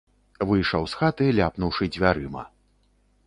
Выйшаў з хаты, ляпнуўшы дзвярыма.